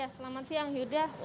selamat siang yudha